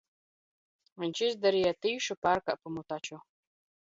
Viņš izdarīja tīšu pārkāpumu taču.